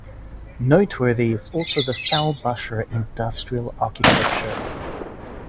Noteworthy is also the Fellbacher industrial architecture.